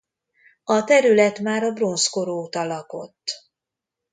A terület már a bronzkor óta lakott.